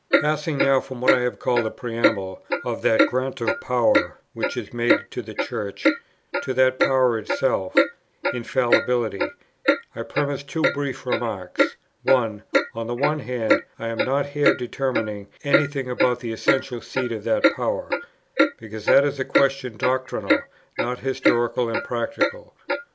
Passing now from what I have called the preamble of that grant of power, which is made to the Church, to that power itself, Infallibility, I premise two brief remarks: 1. on the one hand, I am not here determining any thing about the essential seat of that power, because that is a question doctrinal, not historical and practical; 2.